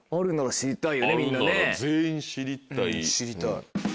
知りたい。